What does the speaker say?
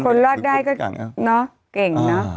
คนรอดได้ก็เนาะเก่งเนอะ